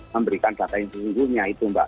memberikan data yang sesungguhnya itu mbak